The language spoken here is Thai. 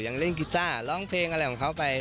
เล่นกีต้าร้องเพลงอะไรของเขาไป